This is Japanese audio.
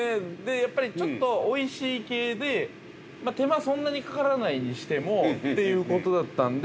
やっぱり、ちょっとおいしい系で手間そんなにかからないにしてもということだったんで。